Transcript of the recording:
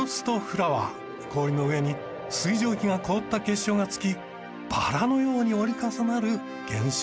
氷の上に水蒸気が凍った結晶が付きバラのように折り重なる現象。